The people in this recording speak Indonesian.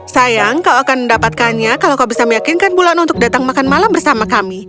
sayang kau akan mendapatkannya kalau kau bisa meyakinkan bulan untuk datang makan malam bersama kami